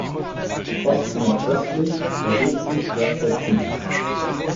Ostnordöstlich erhebt sich der Betzenberg.